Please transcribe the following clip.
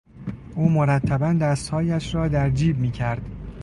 او مرتبا دستهایش را در جیب میکرد.